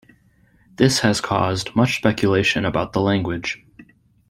This has caused much speculation about the language.